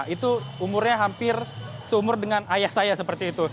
itu umurnya hampir seumur dengan ayah saya seperti itu